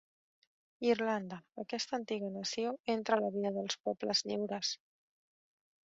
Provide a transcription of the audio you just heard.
Irlanda: aquesta antiga nació entra a la vida dels pobles lliures.